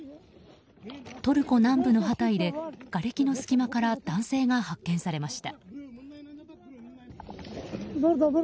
トルコ南部のハタイでがれきの隙間から男性が発見されました。